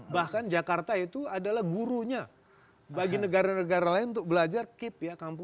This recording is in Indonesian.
bahkan jakarta itu adalah gurunya bagi negara negara lain untuk belajar keep ya